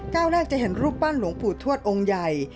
แรกจะเห็นรูปปั้นหลวงปู่ทวดองค์ใหญ่